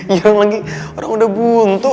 yang lagi orang udah buang tuh